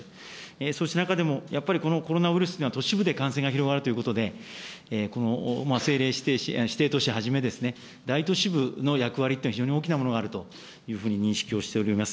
そうした中でも、やっぱりこのコロナウイルスというのは、都市部で感染が広がるということで、政令指定都市はじめ、大都市部の役割っていうのは非常に大きなものがあるというふうに認識をしております。。